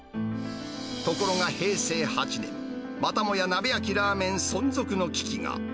ところが平成８年、またもや鍋焼きラーメン存続の危機が。